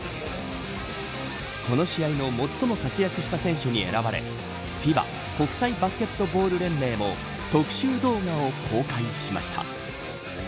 この試合の最も活躍した選手に選ばれＦＩＢＡ＝国際バスケットボール連盟も特集動画を公開しました。